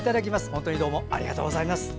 本当にどうもありがとうございます。